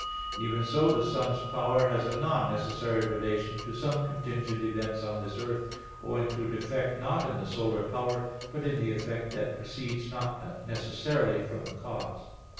Even so, the sun's power has a non necessary relation to some contingent events on this earth, owing to a defect not in the solar power, but in the effect that proceeds not necessarily from the cause.